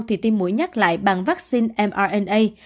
thì tiêm mũi nhắc lại bằng vaccine mrna